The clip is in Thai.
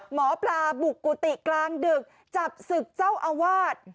หมอปลาบุกกุฏิกลางดึกจับศึกเจ้าอาวาส